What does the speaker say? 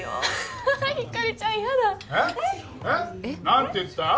何て言った？